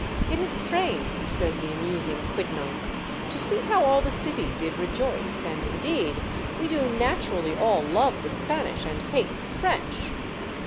"It is strange," says the amusing quidnunc, "to see how all the city did rejoice, and, indeed, we do naturally all love the Spanish and hate the French."